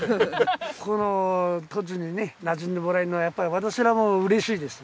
この土地にねなじんでもらえるのはやっぱり私らも嬉しいです。